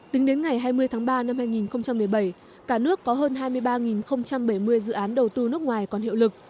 tính đến ngày hai mươi tháng ba năm hai nghìn một mươi bảy cả nước có hơn hai mươi ba bảy mươi dự án đầu tư nước ngoài còn hiệu lực